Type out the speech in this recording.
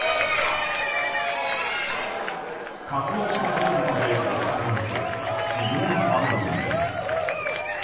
仮装した人々でごった返す渋谷ハロウィーンです。